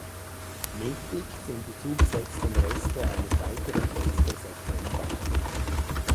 Mittig sind die zugesetzten Reste eines weiteren Fensters erkennbar.